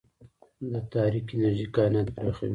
د تاریک انرژي کائنات پراخوي.